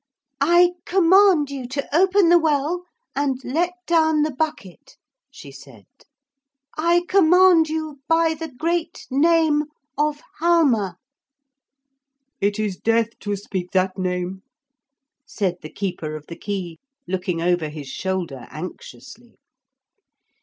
'I command you to open the well and let down the bucket,' she said. 'I command you by the great name of Halma.' 'It is death to speak that name,' said the keeper of the key, looking over his shoulder anxiously.